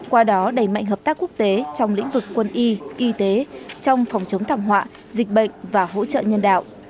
qua đó đẩy mạnh hợp tác quốc tế trong lĩnh vực quân y y tế trong phòng chống thảm họa dịch bệnh và hỗ trợ nhân đạo